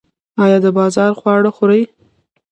ایا د بازار خواړه خورئ؟